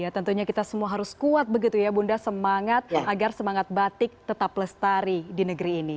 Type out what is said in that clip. tentunya kita semua harus kuat begitu ya bunda semangat agar semangat batik tetap lestari di negeri ini